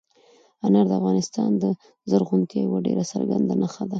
انار د افغانستان د زرغونتیا یوه ډېره څرګنده نښه ده.